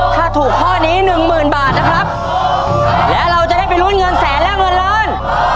ถ้าถูกข้อนี้หนึ่งหมื่นบาทนะครับและเราจะได้ไปลุ้นเงินแสนและเงินล้าน